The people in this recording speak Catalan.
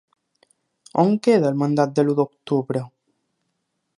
On queda el mandat de l'u d'octubre?